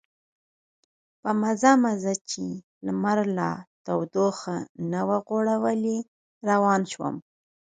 په مزه مزه چې لمر لا تودوخه نه وه غوړولې روان شوم.